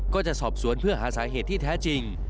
ก็จะสอบสวนเพื่อหาสาเหตุที่แท้จริง